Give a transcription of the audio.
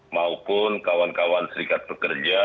maupun kawan kawan serikat pekerja